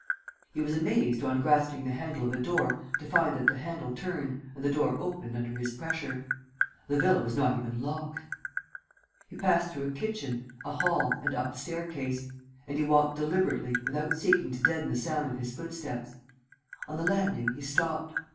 He was amazed, on grasping the handle of a door, to find that the handle turned and the door opened under his pressure. The villa was not even locked. He passed through a kitchen, a hall and up a staircase; and he walked deliberately, without seeking to deaden the sound of his footsteps. On the landing, he stopped.